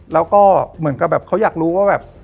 แล้วก็เหมือนกับแบบเขาอยากรู้ว่าแบบ